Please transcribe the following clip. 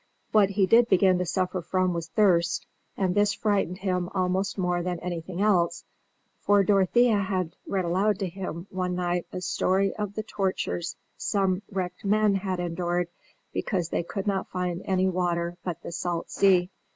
What he did begin to suffer from was thirst; and this frightened him almost more than anything else, for Dorothea had read aloud to them one night a story of the tortures some wrecked men had endured because they could not find any water but the salt sea.